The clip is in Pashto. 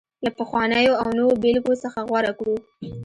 له پخوانيو او نویو بېلګو څخه غوره کړو